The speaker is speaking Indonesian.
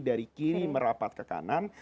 dari kiri merapat ke kanan